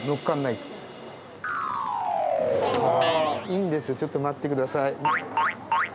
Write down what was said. いいんですよ、ちょっと待ってください。